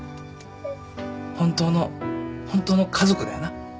本当のホントの家族だよな。